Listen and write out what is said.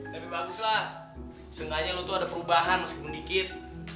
tapi baguslah setidaknya lo tuh ada perubahan meskipun dikit